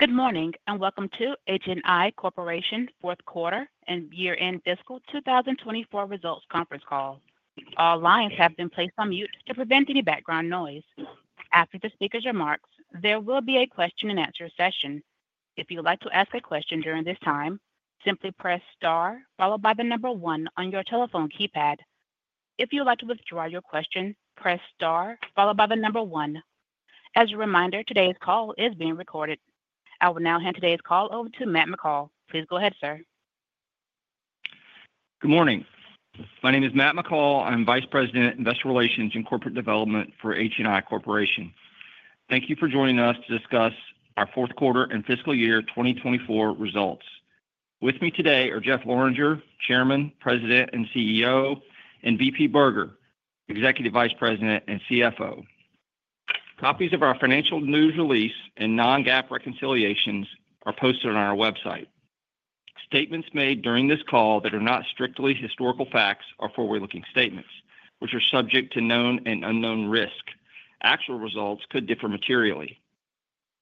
Good morning and welcome to HNI Corporation Q4 and Year-End Fiscal 2024 Results Conference Call. All lines have been placed on mute to prevent any background noise. After the speaker's remarks, there will be a question-and-answer session. If you would like to ask a question during this time, simply press star followed by the number one on your telephone keypad. If you would like to withdraw your question, press star followed by the number one. As a reminder, today's call is being recorded. I will now hand today's call over to Matt McCall. Please go ahead, sir. Good morning. My name is Matt McCall. I'm Vice President of Investor Relations and Corporate Development for HNI Corporation. Thank you for joining us to discuss our Q4 and Fiscal Year 2024 results. With me today are Jeff Lorenger, Chairman, President, and CEO, and VP Berger, Executive Vice President and CFO. Copies of our financial news release and non-GAAP reconciliations are posted on our website. Statements made during this call that are not strictly historical facts are forward-looking statements, which are subject to known and unknown risk. Actual results could differ materially.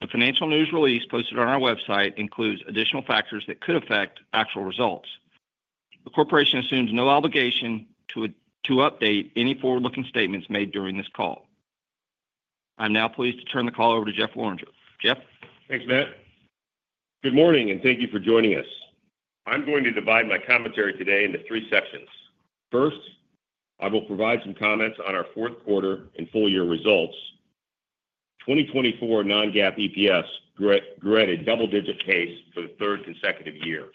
The financial news release posted on our website includes additional factors that could affect actual results. The Corporation assumes no obligation to update any forward-looking statements made during this call. I'm now pleased to turn the call over to Jeff Lorenger. Jeff? Thanks, Matt. Good morning and thank you for joining us. I'm going to divide my commentary today into three sections. First, I will provide some comments on our Q4 and full year results. 2024 non-GAAP EPS grew at a double-digit pace for the third consecutive year.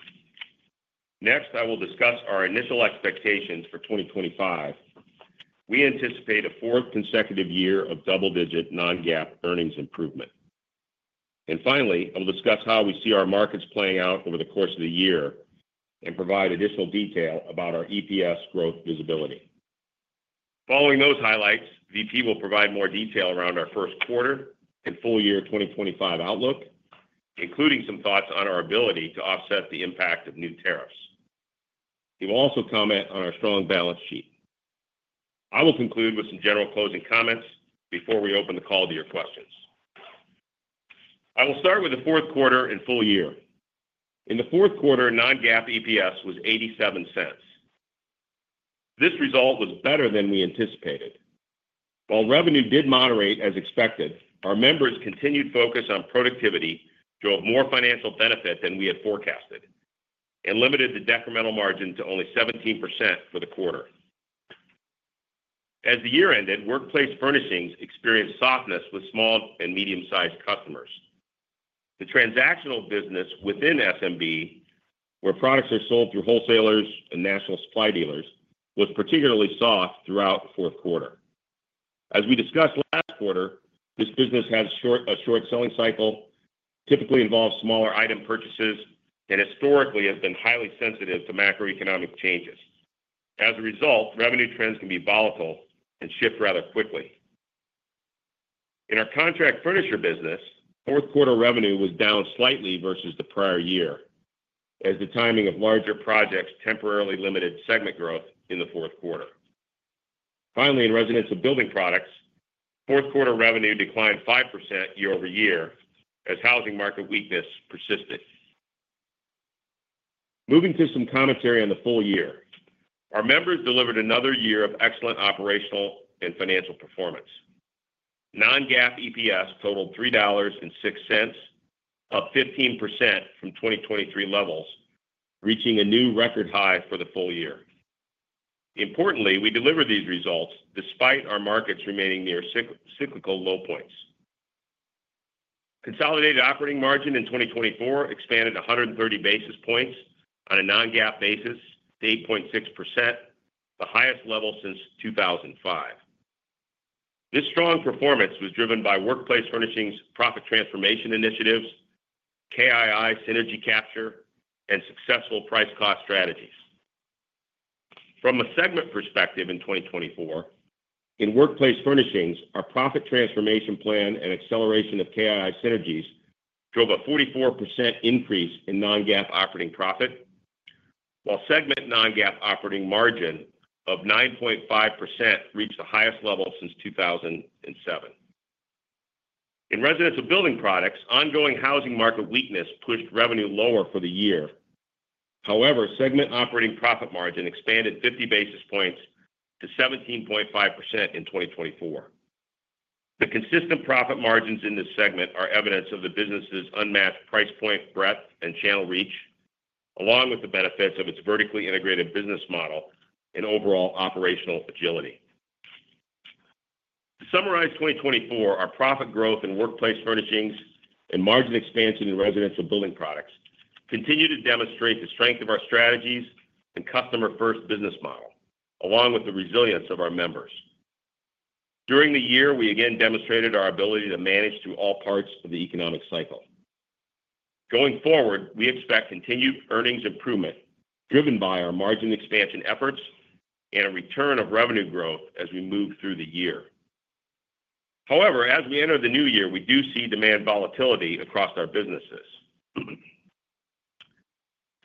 Next, I will discuss our initial expectations for 2025. We anticipate a fourth consecutive year of double-digit non-GAAP earnings improvement. And finally, I will discuss how we see our markets playing out over the course of the year and provide additional detail about our EPS growth visibility. Following those highlights, VP will provide more detail around our Q1 and full year 2025 outlook, including some thoughts on our ability to offset the impact of new tariffs. He will also comment on our strong balance sheet. I will conclude with some general closing comments before we open the call to your questions. I will start with the Q4 and full year. In the Q4, non-GAAP EPS was $0.87. This result was better than we anticipated. While revenue did moderate as expected, our members' continued focus on productivity drove more financial benefit than we had forecasted and limited the decremental margin to only 17% for the quarter. As the year ended, Workplace Furnishings experienced softness with small and medium-sized customers. The transactional business within SMB, where products are sold through wholesalers and national supply dealers, was particularly soft throughout the Q4. As we discussed last quarter, this business has a short selling cycle, typically involves smaller item purchases, and historically has been highly sensitive to macroeconomic changes. As a result, revenue trends can be volatile and shift rather quickly. In our contract furniture business, Q4 revenue was down slightly versus the prior year, as the timing of larger projects temporarily limited segment growth in the Q4. Finally, in Residential Building Products, Q4 revenue declined 5% year over year as housing market weakness persisted. Moving to some commentary on the full year, our members delivered another year of excellent operational and financial performance. non-GAAP EPS totaled $3.06, up 15% from 2023 levels, reaching a new record high for the full year. Importantly, we delivered these results despite our markets remaining near cyclical low points. Consolidated operating margin in 2024 expanded 130 basis points on a non-GAAP basis to 8.6%, the highest level since 2005. This strong performance was driven by Workplace Furnishings' profit transformation initiatives, KII synergy capture, and successful price-cost strategies. From a segment perspective in 2024, in Workplace Furnishings, our profit transformation plan and acceleration of KII synergies drove a 44% increase in non-GAAP operating profit, while segment non-GAAP operating margin of 9.5% reached the highest level since 2007. In Residential Building Products, ongoing housing market weakness pushed revenue lower for the year. However, segment operating profit margin expanded 50 basis points to 17.5% in 2024. The consistent profit margins in this segment are evidence of the business's unmatched price point breadth and channel reach, along with the benefits of its vertically integrated business model and overall operational agility. To summarize 2024, our profit growth in Workplace Furnishings and margin expansion in Residential Building Products continued to demonstrate the strength of our strategies and customer-first business model, along with the resilience of our members. During the year, we again demonstrated our ability to manage through all parts of the economic cycle. Going forward, we expect continued earnings improvement driven by our margin expansion efforts and a return of revenue growth as we move through the year. However, as we enter the new year, we do see demand volatility across our businesses.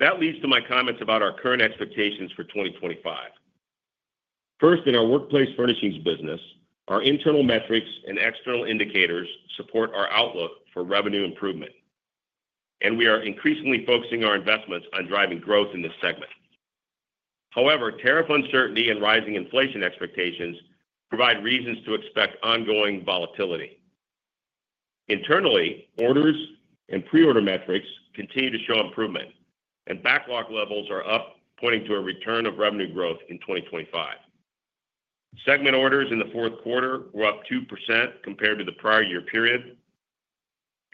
That leads to my comments about our current expectations for 2025. First, in our Workplace Furnishings business, our internal metrics and external indicators support our outlook for revenue improvement, and we are increasingly focusing our investments on driving growth in this segment. However, tariff uncertainty and rising inflation expectations provide reasons to expect ongoing volatility. Internally, orders and preorder metrics continue to show improvement, and backlog levels are up, pointing to a return of revenue growth in 2025. Segment orders in the Q4 were up 2% compared to the prior year period.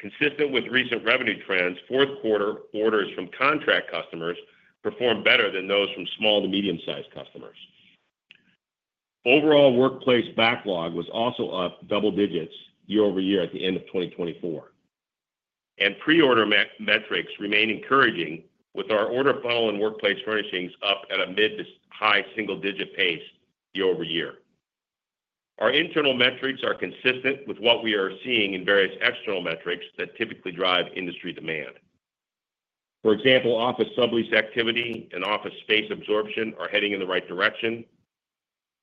Consistent with recent revenue trends, Q4 orders from contract customers performed better than those from small to medium-sized customers. Overall workplace backlog was also up double digits year over year at the end of 2024, and preorder metrics remain encouraging, with our order funnel and Workplace Furnishings up at a mid to high single-digit pace year over year. Our internal metrics are consistent with what we are seeing in various external metrics that typically drive industry demand. For example, office sublease activity and office space absorption are heading in the right direction.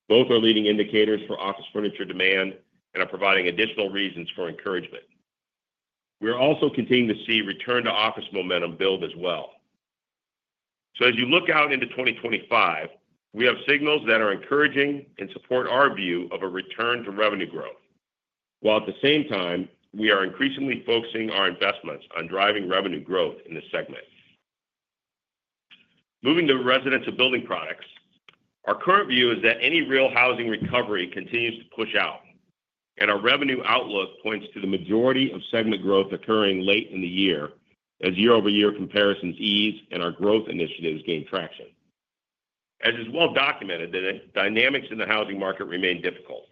Both are leading indicators for office furniture demand and are providing additional reasons for encouragement. We are also continuing to see return-to-office momentum build as well. As you look out into 2025, we have signals that are encouraging and support our view of a return to revenue growth, while at the same time, we are increasingly focusing our investments on driving revenue growth in the segment. Moving to Residential Building Products, our current view is that any real housing recovery continues to push out, and our revenue outlook points to the majority of segment growth occurring late in the year as year-over-year comparisons ease and our growth initiatives gain traction. As is well documented, the dynamics in the housing market remain difficult.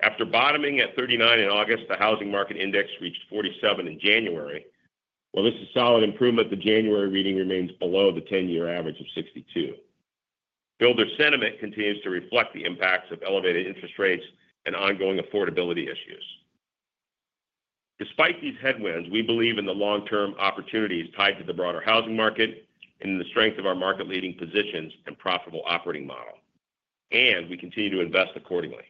After bottoming at 39 in August, the Housing Market Index reached 47 in January. While this is a solid improvement, the January reading remains below the 10-year average of 62. Builder sentiment continues to reflect the impacts of elevated interest rates and ongoing affordability issues. Despite these headwinds, we believe in the long-term opportunities tied to the broader housing market and in the strength of our market-leading positions and profitable operating model, and we continue to invest accordingly.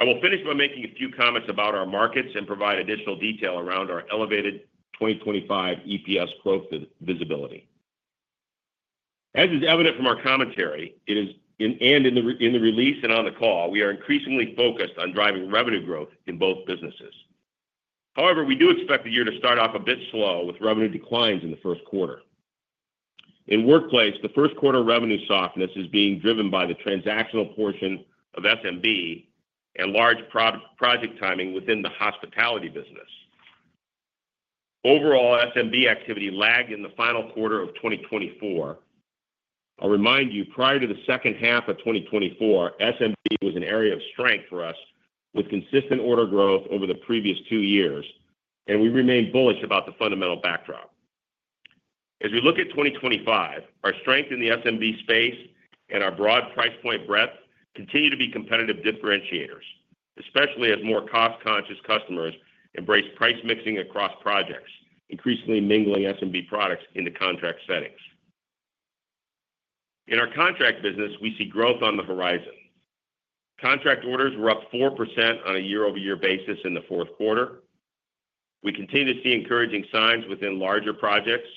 I will finish by making a few comments about our markets and provide additional detail around our elevated 2025 EPS growth visibility. As is evident from our commentary and in the release and on the call, we are increasingly focused on driving revenue growth in both businesses. However, we do expect the year to start off a bit slow with revenue declines in the Q1. In workplace, the Q1 revenue softness is being driven by the transactional portion of SMB and large project timing within the hospitality business. Overall, SMB activity lagged in the final quarter of 2024. I'll remind you, prior to the second half of 2024, SMB was an area of strength for us with consistent order growth over the previous two years, and we remain bullish about the fundamental backdrop. As we look at 2025, our strength in the SMB space and our broad price point breadth continue to be competitive differentiators, especially as more cost-conscious customers embrace price mixing across projects, increasingly mingling SMB products into contract settings. In our contract business, we see growth on the horizon. Contract orders were up 4% on a year-over-year basis in the Q4. We continue to see encouraging signs within larger projects,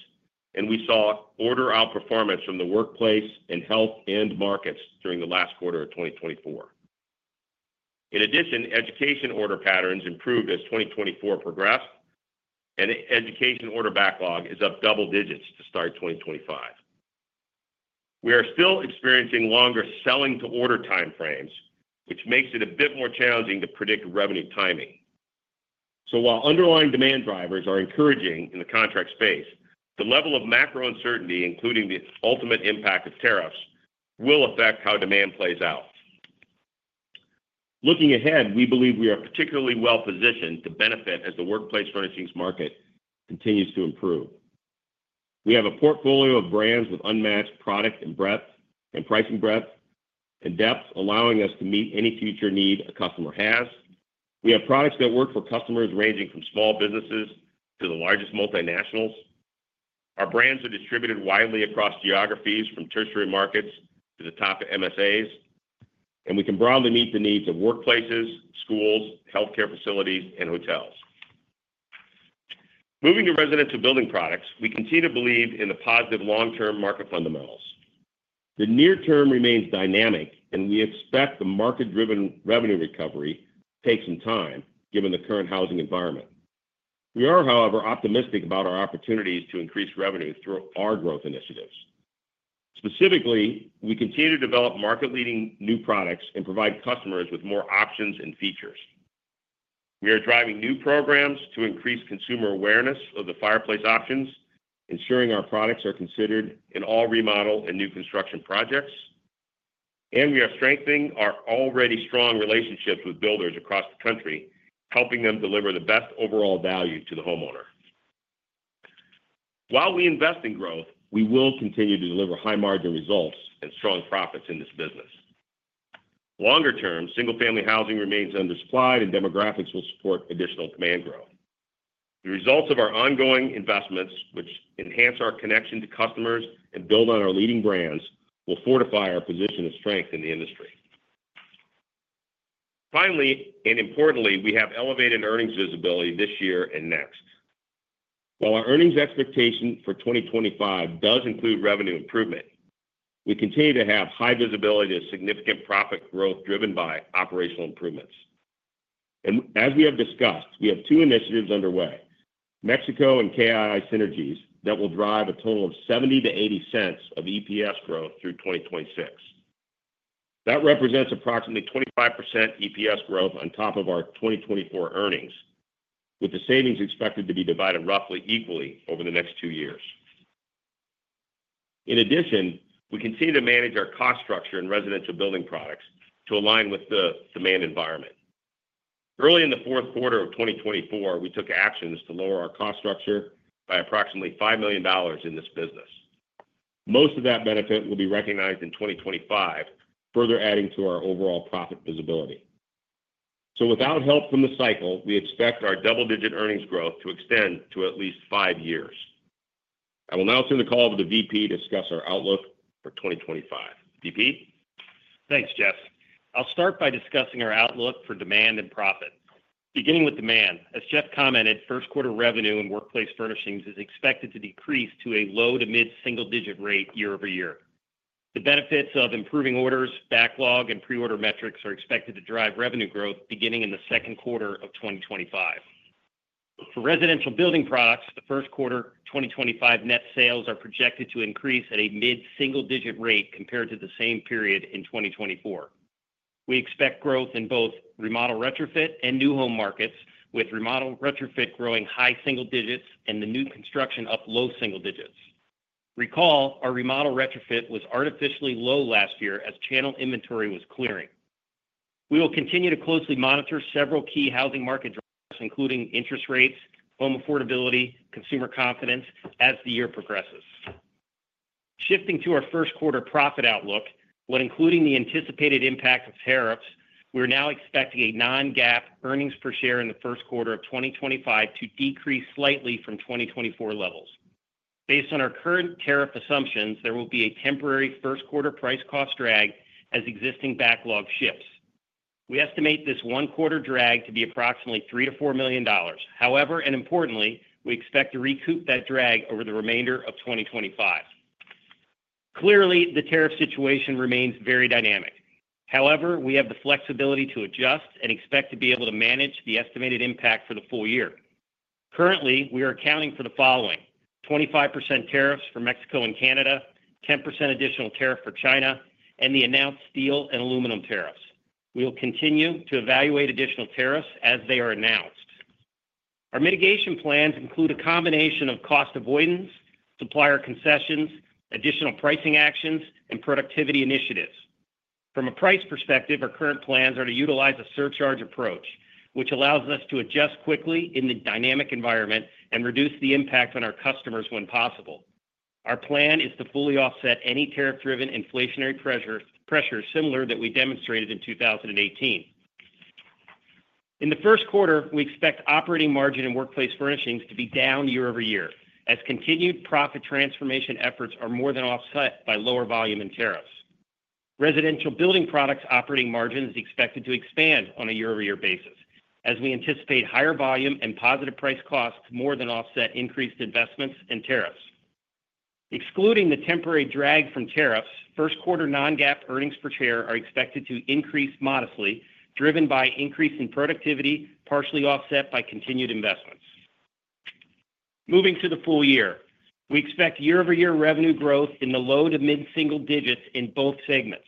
and we saw order outperformance from the workplace and health end markets during the last quarter of 2024. In addition, education order patterns improved as 2024 progressed, and education order backlog is up double digits to start 2025. We are still experiencing longer selling-to-order timeframes, which makes it a bit more challenging to predict revenue timing. So, while underlying demand drivers are encouraging in the contract space, the level of macro uncertainty, including the ultimate impact of tariffs, will affect how demand plays out. Looking ahead, we believe we are particularly well-positioned to benefit as the Workplace Furnishings market continues to improve. We have a portfolio of brands with unmatched product and pricing breadth and depth, allowing us to meet any future need a customer has. We have products that work for customers ranging from small businesses to the largest multinationals. Our brands are distributed widely across geographies, from tertiary markets to the top MSAs, and we can broadly meet the needs of workplaces, schools, healthcare facilities, and hotels. Moving to Residential Building Products, we continue to believe in the positive long-term market fundamentals. The near term remains dynamic, and we expect the market-driven revenue recovery to take some time given the current housing environment. We are, however, optimistic about our opportunities to increase revenue through our growth initiatives. Specifically, we continue to develop market-leading new products and provide customers with more options and features. We are driving new programs to increase consumer awareness of the fireplace options, ensuring our products are considered in all remodel and new construction projects, and we are strengthening our already strong relationships with builders across the country, helping them deliver the best overall value to the homeowner. While we invest in growth, we will continue to deliver high-margin results and strong profits in this business. Longer term, single-family housing remains undersupplied, and demographics will support additional demand growth. The results of our ongoing investments, which enhance our connection to customers and build on our leading brands, will fortify our position of strength in the industry. Finally, and importantly, we have elevated earnings visibility this year and next. While our earnings expectation for 2025 does include revenue improvement, we continue to have high visibility of significant profit growth driven by operational improvements, and as we have discussed, we have two initiatives underway, Mexico and KII synergies, that will drive a total of $0.70-$0.80 of EPS growth through 2026. That represents approximately 25% EPS growth on top of our 2024 earnings, with the savings expected to be divided roughly equally over the next two years. In addition, we continue to manage our cost structure in Residential Building Products to align with the demand environment. Early in the Q4 of 2024, we took actions to lower our cost structure by approximately $5 million in this business. Most of that benefit will be recognized in 2025, further adding to our overall profit visibility. Without help from the cycle, we expect our double-digit earnings growth to extend to at least five years. I will now turn the call to the VP to discuss our outlook for 2025. VP? Thanks, Jeff. I'll start by discussing our outlook for demand and profit. Beginning with demand, as Jeff commented, Q1 revenue in Workplace Furnishings is expected to decrease to a low to mid single-digit rate year over year. The benefits of improving orders, backlog, and preorder metrics are expected to drive revenue growth beginning in the Q2 of 2025. For Residential Building Products, the Q1 2025 net sales are projected to increase at a mid-single-digit rate compared to the same period in 2024. We expect growth in both remodel retrofit and new home markets, with remodel retrofit growing high-single-digits and the new construction up low-single-digits. Recall, our remodel retrofit was artificially low last year as channel inventory was clearing. We will continue to closely monitor several key housing market drivers, including interest rates, home affordability, and consumer confidence, as the year progresses. Shifting to our Q1 profit outlook, when including the anticipated impact of tariffs, we are now expecting a non-GAAP earnings per share in the Q1 of 2025 to decrease slightly from 2024 levels. Based on our current tariff assumptions, there will be a temporary Q1 price-cost drag as existing backlog shifts. We estimate this one quarter drag to be approximately $3-$4 million. However, and importantly, we expect to recoup that drag over the remainder of 2025. Clearly, the tariff situation remains very dynamic. However, we have the flexibility to adjust and expect to be able to manage the estimated impact for the full year. Currently, we are accounting for the following: 25% tariffs for Mexico and Canada, 10% additional tariff for China, and the announced steel and aluminum tariffs. We will continue to evaluate additional tariffs as they are announced. Our mitigation plans include a combination of cost avoidance, supplier concessions, additional pricing actions, and productivity initiatives. From a price perspective, our current plans are to utilize a surcharge approach, which allows us to adjust quickly in the dynamic environment and reduce the impact on our customers when possible. Our plan is to fully offset any tariff-driven inflationary pressure similar to that we demonstrated in 2018. In the Q1, we expect operating margin in Workplace Furnishings to be down year-over-year, as continued profit transformation efforts are more than offset by lower volume and tariffs. Residential Building Products' operating margins are expected to expand on a year-over-year basis, as we anticipate higher volume and positive price costs more than offset increased investments and tariffs. Excluding the temporary drag from tariffs, Q1 non-GAAP earnings per share are expected to increase modestly, driven by increase in productivity partially offset by continued investments. Moving to the full year, we expect year-over-year revenue growth in the low to mid single digits in both segments.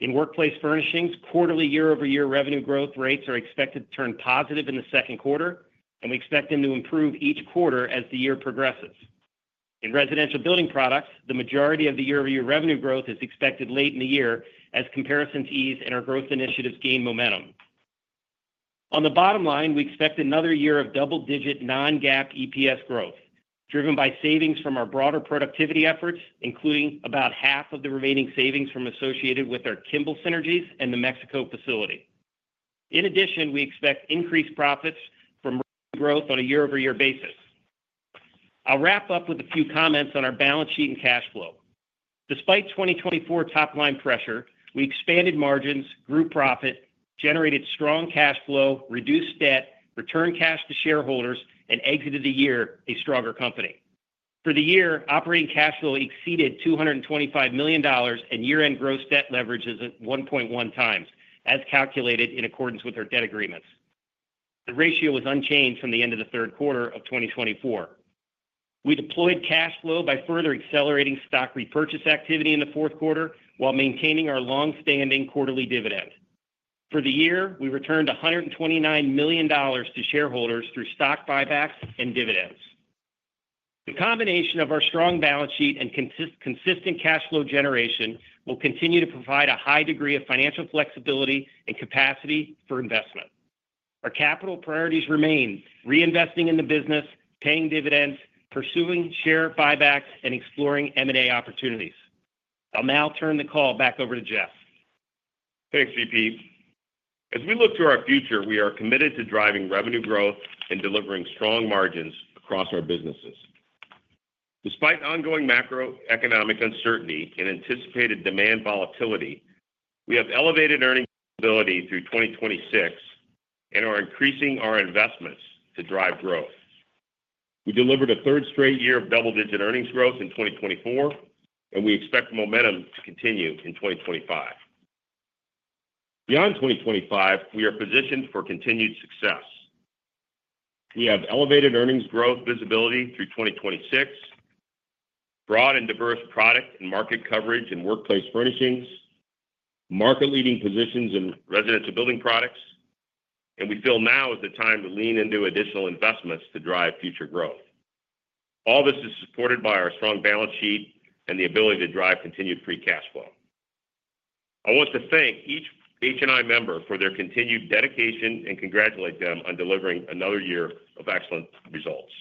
In Workplace Furnishings, quarterly year-over-year revenue growth rates are expected to turn positive in the Q2, and we expect them to improve each quarter as the year progresses. In Residential Building Products, the majority of the year-over-year revenue growth is expected late in the year as comparisons ease and our growth initiatives gain momentum. On the bottom line, we expect another year of double-digit non-GAAP EPS growth, driven by savings from our broader productivity efforts, including about half of the remaining savings associated with our Kimball synergies and the Mexico facility. In addition, we expect increased profits from revenue growth on a year-over-year basis. I'll wrap up with a few comments on our balance sheet and cash flow. Despite 2024 top-line pressure, we expanded margins, grew profit, generated strong cash flow, reduced debt, returned cash to shareholders, and exited the year a stronger company. For the year, operating cash flow exceeded $225 million and year-end gross debt leverage at 1.1 times, as calculated in accordance with our debt agreements. The ratio was unchanged from the end of the Q3 of 2024. We deployed cash flow by further accelerating stock repurchase activity in the Q4 while maintaining our long-standing quarterly dividend. For the year, we returned $129 million to shareholders through stock buybacks and dividends. The combination of our strong balance sheet and consistent cash flow generation will continue to provide a high degree of financial flexibility and capacity for investment. Our capital priorities remain reinvesting in the business, paying dividends, pursuing share buybacks, and exploring M&A opportunities. I'll now turn the call back over to Jeff. Thanks, VP. As we look to our future, we are committed to driving revenue growth and delivering strong margins across our businesses. Despite ongoing macroeconomic uncertainty and anticipated demand volatility, we have elevated earnings visibility through 2026 and are increasing our investments to drive growth. We delivered a third straight year of double-digit earnings growth in 2024, and we expect momentum to continue in 2025. Beyond 2025, we are positioned for continued success. We have elevated earnings growth visibility through 2026, broad and diverse product and market coverage in Workplace Furnishings, market-leading positions in Residential Building Products, and we feel now is the time to lean into additional investments to drive future growth. All this is supported by our strong balance sheet and the ability to drive continued free cash flow. I want to thank each HNI member for their continued dedication and congratulate them on delivering another year of excellent results.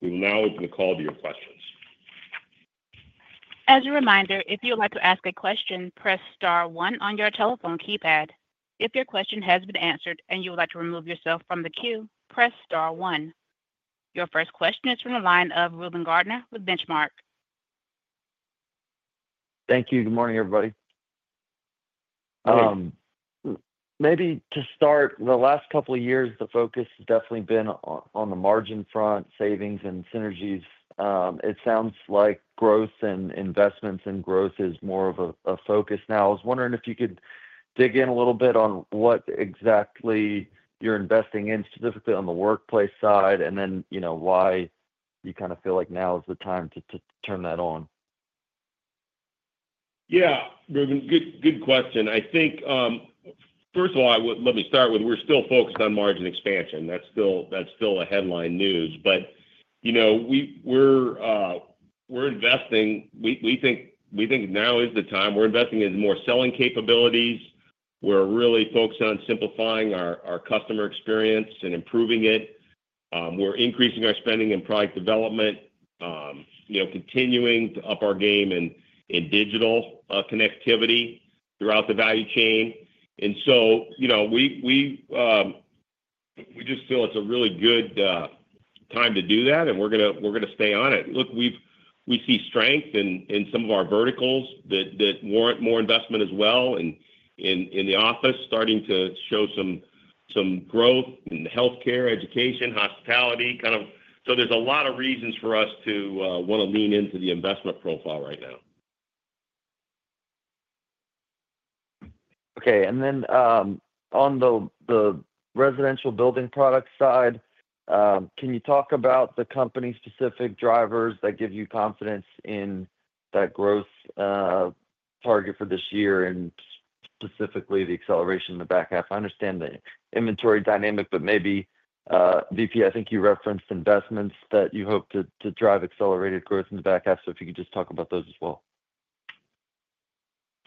We will now open the call to your questions. As a reminder, if you would like to ask a question, press star one on your telephone keypad. If your question has been answered and you would like to remove yourself from the queue, press star one. Your first question is from the line of Reuben Garner with Benchmark. Thank you. Good morning, everybody. Maybe to start, the last couple of years, the focus has definitely been on the margin front, savings, and synergies. It sounds like growth and investments in growth is more of a focus now. I was wondering if you could dig in a little bit on what exactly you're investing in, specifically on the workplace side, and then why you kind of feel like now is the time to turn that on. Yeah, Reuben, good question. I think, first of all, let me start with, we're still focused on margin expansion. That's still the headline news. But we're investing. We think now is the time. We're investing in more selling capabilities. We're really focused on simplifying our customer experience and improving it. We're increasing our spending in product development, continuing to up our game in digital connectivity throughout the value chain. And so we just feel it's a really good time to do that, and we're going to stay on it. Look, we see strength in some of our verticals that warrant more investment as well, and the office is starting to show some growth in healthcare, education, hospitality. So there's a lot of reasons for us to want to lean into the investment profile right now. Okay. And then on the residential building product side, can you talk about the company-specific drivers that give you confidence in that growth target for this year and specifically the acceleration in the back half? I understand the inventory dynamic, but maybe, VP, I think you referenced investments that you hope to drive accelerated growth in the back half. So if you could just talk about those as well?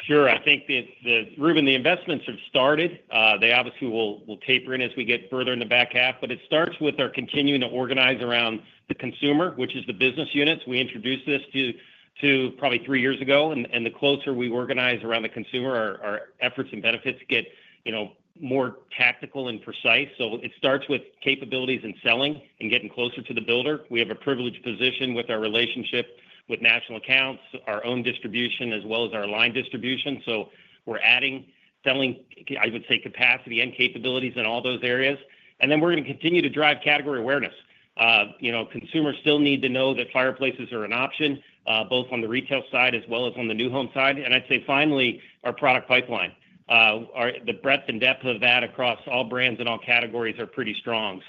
Sure. I think, Reuben, the investments have started. They obviously will taper in as we get further in the back half. But it starts with our continuing to organize around the consumer, which is the business units. We introduced this to probably three years ago. And the closer we organize around the consumer, our efforts and benefits get more tactical and precise. So it starts with capabilities and selling and getting closer to the builder. We have a privileged position with our relationship with national accounts, our own distribution, as well as our line distribution. So we're adding, selling, I would say, capacity and capabilities in all those areas. And then we're going to continue to drive category awareness. Consumers still need to know that fireplaces are an option, both on the retail side as well as on the new home side. And I'd say finally, our product pipeline. The breadth and depth of that across all brands and all categories are pretty strong.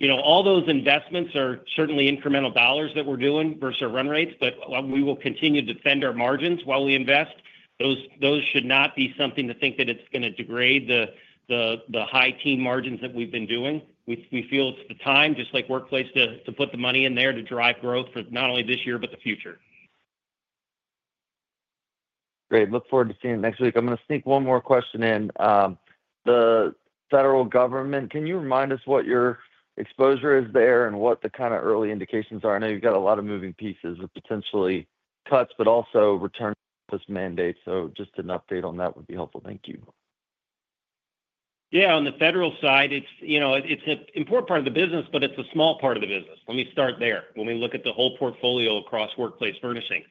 So all those investments are certainly incremental dollars that we're doing versus our run rates. But we will continue to defend our margins while we invest. Those should not be something to think that it's going to degrade the high-teens margins that we've been doing. We feel it's the time, just like workplace, to put the money in there to drive growth for not only this year but the future. Great. Look forward to seeing it next week. I'm going to sneak one more question in. The federal government, can you remind us what your exposure is there and what the kind of early indications are? I know you've got a lot of moving pieces with potentially cuts, but also return to this mandate. So just an update on that would be helpful. Thank you. Yeah. On the federal side, it's an important part of the business, but it's a small part of the business. Let me start there. When we look at the whole portfolio across workplace furnishing,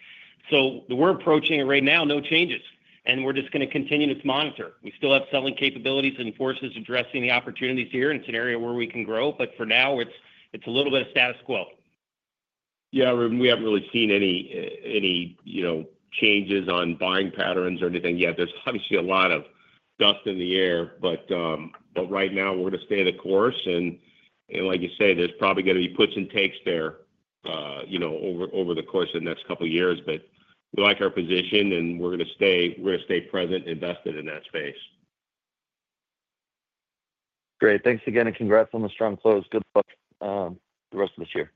so we're approaching it right now, no changes, and we're just going to continue to monitor. We still have selling capabilities and forces addressing the opportunities here in an area where we can grow. But for now, it's a little bit of status quo. Yeah, Reuben, we haven't really seen any changes on buying patterns or anything yet. There's obviously a lot of dust in the air. But right now, we're going to stay the course. And like you say, there's probably going to be puts and takes there over the course of the next couple of years. But we like our position, and we're going to stay present and invested in that space. Great. Thanks again, and congrats on the strong close. Good luck the rest of this year.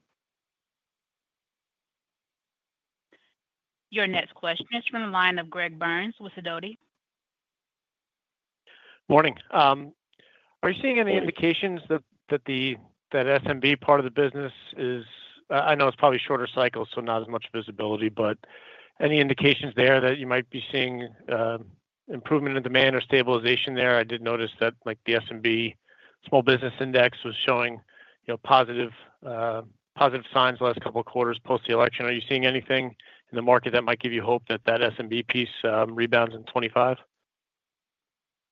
Your next question is from the line of Greg Burns with Sidoti. Morning. Are you seeing any indications that the SMB part of the business is, I know it's probably shorter cycles, so not as much visibility, but any indications there that you might be seeing improvement in demand or stabilization there? I did notice that the SMB Small Business Index was showing positive signs the last couple of quarters post-election. Are you seeing anything in the market that might give you hope that that SMB piece rebounds in 2025?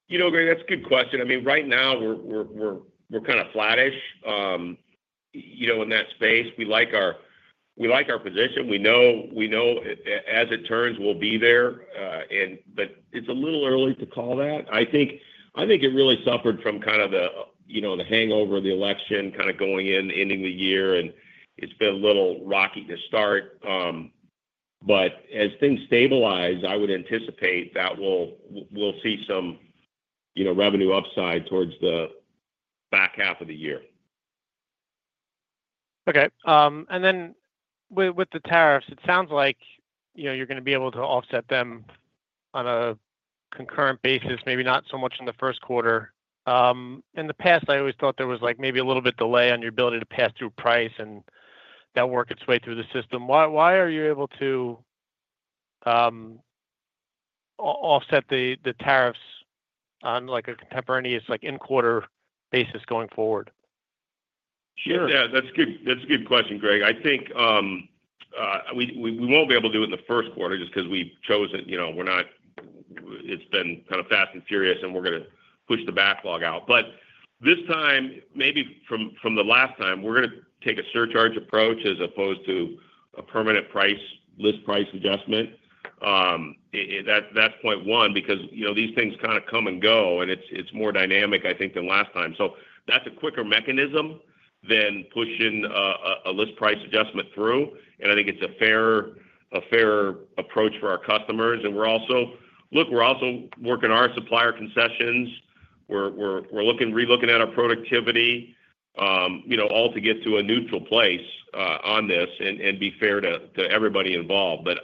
You know, Greg, that's a good question. I mean, right now, we're kind of flattish in that space. We like our position. We know as it turns, we'll be there. But it's a little early to call that. I think it really suffered from kind of the hangover of the election kind of going in, ending the year, and it's been a little rocky to start. But as things stabilize, I would anticipate that we'll see some revenue upside towards the back half of the year. Okay, and then with the tariffs, it sounds like you're going to be able to offset them on a concurrent basis, maybe not so much in the Q1. In the past, I always thought there was maybe a little bit of delay on your ability to pass through price, and that worked its way through the system. Why are you able to offset the tariffs on a contemporaneous in-quarter basis going forward? Sure. Yeah, that's a good question, Greg. I think we won't be able to do it in the Q1 just because we chose it. It's been kind of fast and furious, and we're going to push the backlog out. But this time, maybe from the last time, we're going to take a surcharge approach as opposed to a permanent list price adjustment. That's point one because these things kind of come and go, and it's more dynamic, I think, than last time. So that's a quicker mechanism than pushing a list price adjustment through. And I think it's a fair approach for our customers. And look, we're also working our supplier concessions. We're relooking at our productivity, all to get to a neutral place on this and be fair to everybody involved. But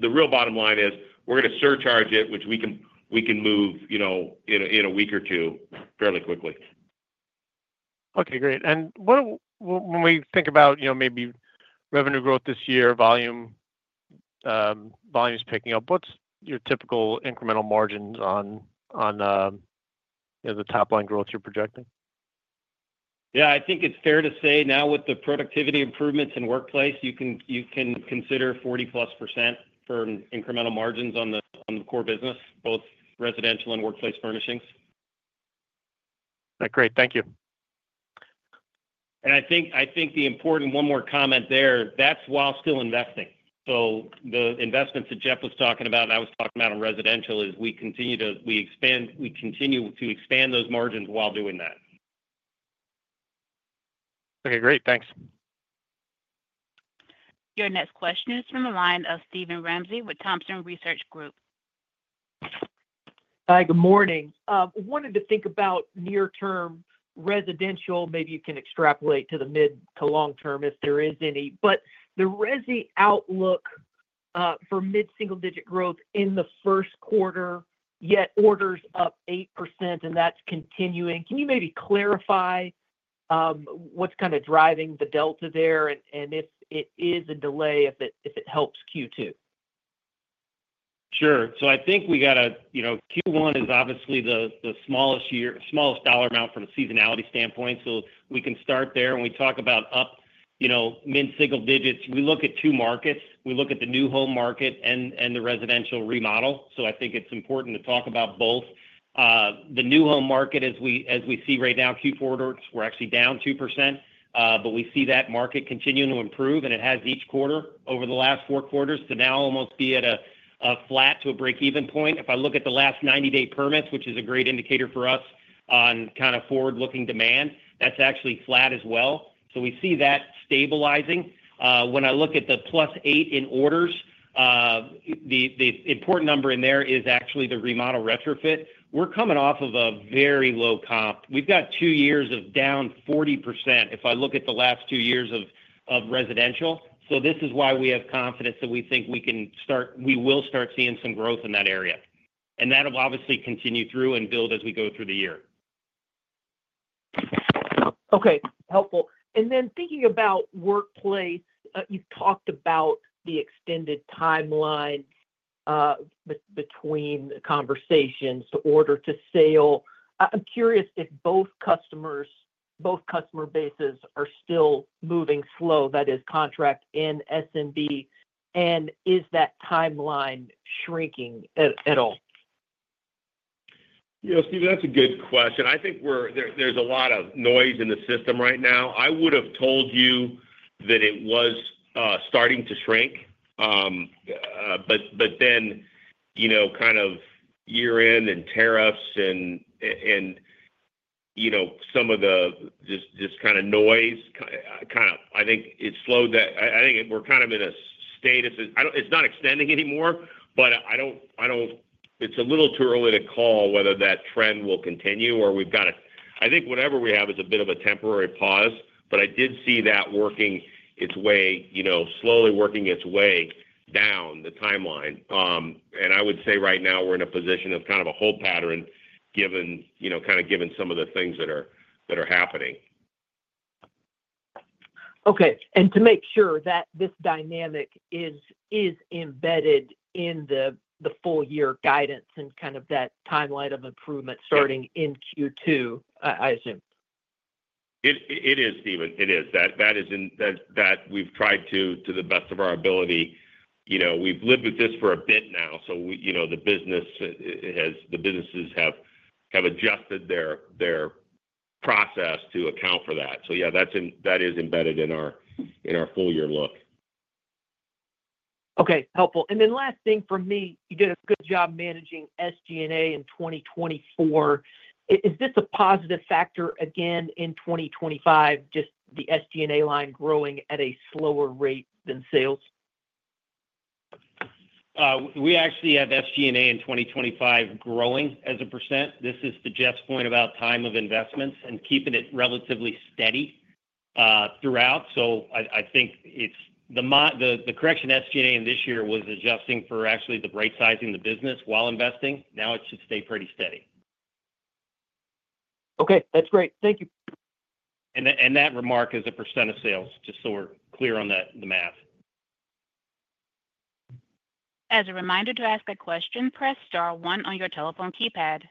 the real bottom line is we're going to surcharge it, which we can move in a week or two fairly quickly. Okay. Great. And when we think about maybe revenue growth this year, volume is picking up. What's your typical incremental margins on the top-line growth you're projecting? Yeah. I think it's fair to say now with the productivity improvements in workplace, you can consider 40-plus% for incremental margins on the core business, both residential and Workplace Furnishings. Great. Thank you. And I think the important one more comment there, that's while still investing. So the investments that Jeff was talking about and I was talking about on residential is we continue to expand those margins while doing that. Okay. Great. Thanks. Your next question is from the line of Steven Ramsey with Thompson Research Group. Hi. Good morning. I wanted to think about near-term residential. Maybe you can extrapolate to the mid to long term if there is any. But the resi outlook for mid-single-digit growth in the Q1 yet orders up 8%, and that's continuing. Can you maybe clarify what's kind of driving the delta there and if it is a delay, if it helps Q2? Sure. So I think we got to Q1 is obviously the smallest dollar amount from a seasonality standpoint. So we can start there. And we talk about up mid-single digits. We look at two markets. We look at the new home market and the residential remodel. So I think it's important to talk about both. The new home market, as we see right now, Q4, we're actually down 2%. But we see that market continuing to improve, and it has each quarter over the last four quarters to now almost be at a flat to a break-even point. If I look at the last 90-day permits, which is a great indicator for us on kind of forward-looking demand, that's actually flat as well. So we see that stabilizing. When I look at the +8% in orders, the important number in there is actually the remodel retrofit. We're coming off of a very low comp. We've got two years of down 40% if I look at the last two years of residential. So this is why we have confidence that we think we will start seeing some growth in that area. And that will obviously continue through and build as we go through the year. Okay. Helpful. And then thinking about workplace, you've talked about the extended timeline between conversations to order to sale. I'm curious if both customer bases are still moving slow, that is, contract and SMB, and is that timeline shrinking at all? Yeah, Steven, that's a good question. I think there's a lot of noise in the system right now. I would have told you that it was starting to shrink. But then kind of year-end and tariffs and some of the just kind of noise, kind of I think it slowed that. I think we're kind of in a state of it's not extending anymore, but I don't it's a little too early to call whether that trend will continue or we've got to I think whatever we have is a bit of a temporary pause. But I did see that working its way, slowly working its way down the timeline. And I would say right now, we're in a position of kind of a hold pattern kind of given some of the things that are happening. Okay. And to make sure that this dynamic is embedded in the full-year guidance and kind of that timeline of improvement starting in Q2, I assume. It is, Steven. It is. That we've tried to the best of our ability. We've lived with this for a bit now. So the businesses have adjusted their process to account for that. So yeah, that is embedded in our full-year look. Okay. Helpful. And then last thing for me, you did a good job managing SG&A in 2024. Is this a positive factor again in 2025, just the SG&A line growing at a slower rate than sales? We actually have SG&A in 2025 growing as a percent. This is to Jeff's point about time of investments and keeping it relatively steady throughout. So I think it's the correction SG&A in this year was adjusting for actually the right sizing of the business while investing. Now it should stay pretty steady. Okay. That's great. Thank you. And that margin is a percent of sales, just so we're clear on the math. As a reminder to ask a question, press star one on your telephone keypad.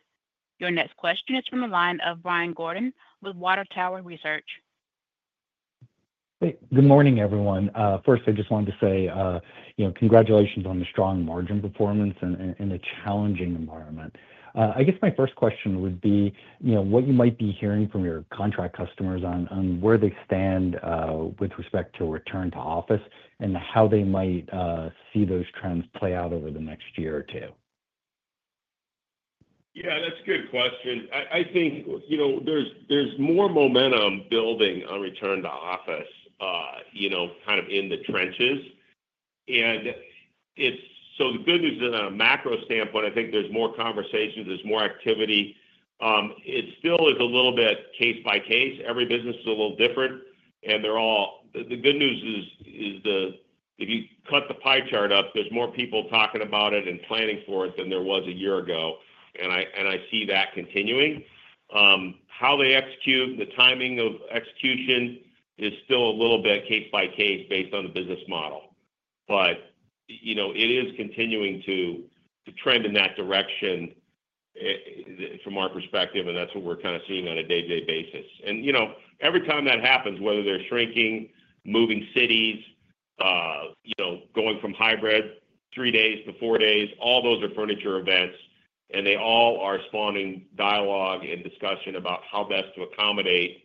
Your next question is from the line of Brian Gordon with Water Tower Research. Good morning, everyone. First, I just wanted to say congratulations on the strong margin performance in a challenging environment. I guess my first question would be what you might be hearing from your contract customers on where they stand with respect to return to office and how they might see those trends play out over the next year or two. Yeah, that's a good question. I think there's more momentum building on return to office kind of in the trenches. And so the good news is on a macro standpoint, I think there's more conversations. There's more activity. It still is a little bit case by case. Every business is a little different. And the good news is if you cut the pie chart up, there's more people talking about it and planning for it than there was a year ago. And I see that continuing. How they execute and the timing of execution is still a little bit case by case based on the business model. But it is continuing to trend in that direction from our perspective, and that's what we're kind of seeing on a day-to-day basis. And every time that happens, whether they're shrinking, moving cities, going from hybrid, three days to four days, all those are furniture events. And they all are spawning dialogue and discussion about how best to accommodate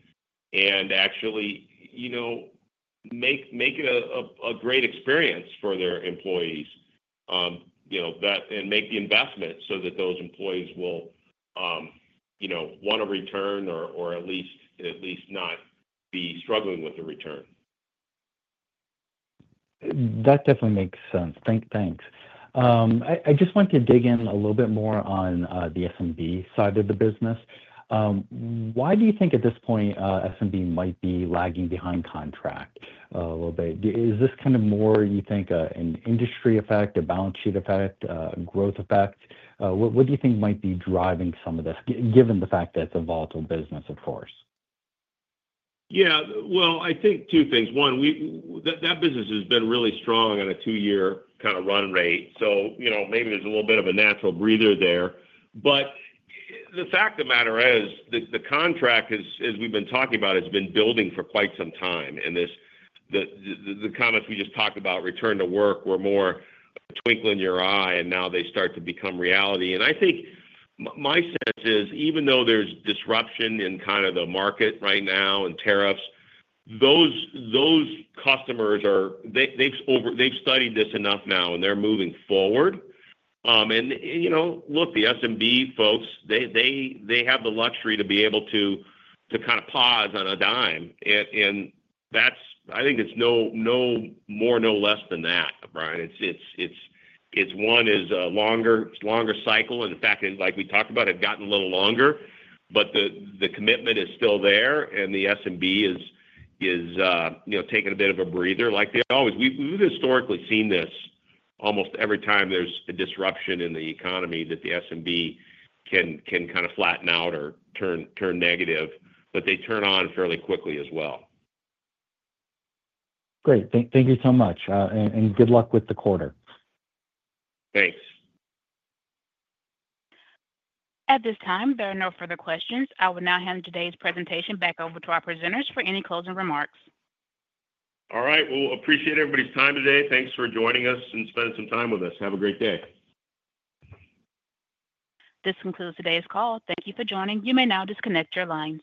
and actually make it a great experience for their employees and make the investment so that those employees will want to return or at least not be struggling with the return. That definitely makes sense. Thanks. I just want to dig in a little bit more on the SMB side of the business. Why do you think at this point SMB might be lagging behind contract a little bit? Is this kind of more, you think, an industry effect, a balance sheet effect, a growth effect? What do you think might be driving some of this, given the fact that it's a volatile business, of course? Yeah. Well, I think two things. One, that business has been really strong on a two-year kind of run rate. So maybe there's a little bit of a natural breather there. But the fact of the matter is the contract, as we've been talking about, has been building for quite some time. And the comments we just talked about, return to work, were more a twinkle in your eye, and now they start to become reality. And I think my sense is, even though there's disruption in kind of the market right now and tariffs, those customers, they've studied this enough now, and they're moving forward. And look, the SMB folks, they have the luxury to be able to kind of pause on a dime. And I think it's no more, no less than that, Brian. It's one is a longer cycle. And in fact, like we talked about, it's gotten a little longer. But the commitment is still there. And the SMB is taking a bit of a breather like they always. We've historically seen this almost every time there's a disruption in the economy that the SMB can kind of flatten out or turn negative. But they turn on fairly quickly as well. Great. Thank you so much. And good luck with the quarter. Thanks. At this time, there are no further questions. I will now hand today's presentation back over to our presenters for any closing remarks. All right. Well, appreciate everybody's time today. Thanks for joining us and spending some time with us. Have a great day. This concludes today's call. Thank you for joining. You may now disconnect your line.